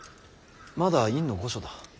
まだ院御所だ。